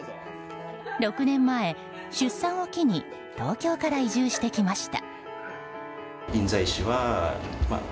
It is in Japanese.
６年前、出産を機に東京から移住してきました。